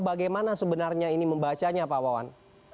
bagaimana sebenarnya ini membacanya pak wawan